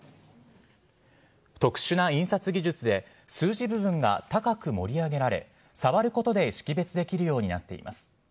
特殊な印刷技術で数字部分が高く盛り上げられ触ることで識別できるようになっています。